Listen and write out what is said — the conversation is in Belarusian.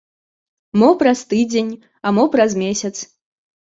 Мо праз тыдзень, а мо праз месяц.